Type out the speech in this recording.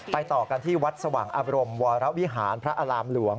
ต่อกันที่วัดสว่างอบรมวรวิหารพระอารามหลวง